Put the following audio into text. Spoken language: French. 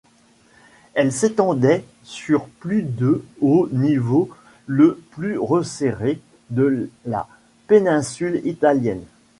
Elle s'étendait sur plus de au niveau le plus resserré de la péninsule italienne.